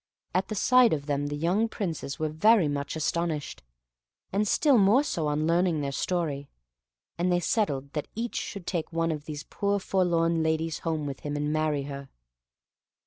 At the sight of them the young Princes were very much astonished, and still more so on learning their story; and they settled that each should take one of these poor forlorn ladies home with him, and marry her.